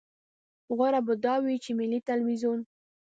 غوره به دا وي چې ملي ټلویزیون.